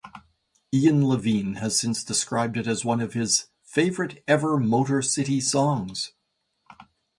Ian Levine has since described it as one of his "favourite ever Motorcity songs".